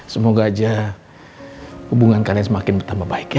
semoga aja hubungan kalian semakin bertambah baik ya